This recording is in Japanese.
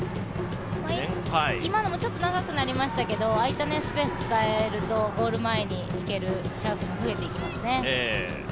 今のもちょっと長くなりましたけどああいったスペースを使うとゴール前に行けるチャンスも増えていきますね。